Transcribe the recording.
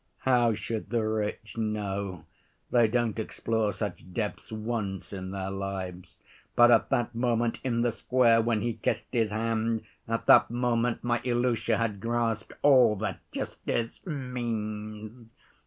How should the rich know? They don't explore such depths once in their lives. But at that moment in the square when he kissed his hand, at that moment my Ilusha had grasped all that justice means.